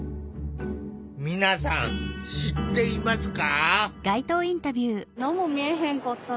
皆さん知っていますか？